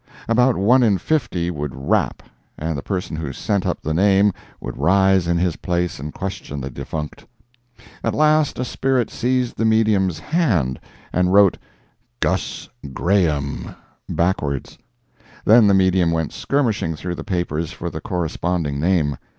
About one in fifty would rap, and the person who sent up the name would rise in his place and question the defunct. At last a spirit seized the medium's hand and wrote "Gus Graham" backwards. Then the medium went skirmishing through the papers for the corresponding name.